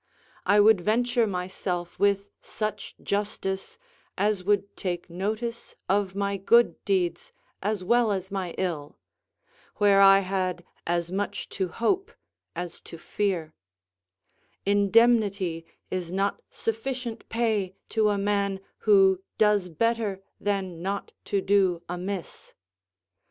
I would venture myself with such justice as would take notice of my good deeds, as well as my ill; where I had as much to hope as to fear: indemnity is not sufficient pay to a man who does better than not to do amiss.